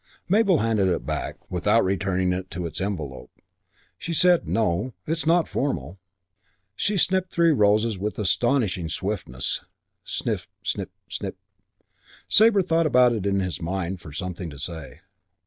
Mabel handed it back, without returning it to its envelope. She said, "No, it's not formal." She snipped three roses with astonishing swiftness, snip, snip, snip! Sabre sought about in his mind for something to say.